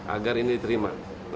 agar ini diterima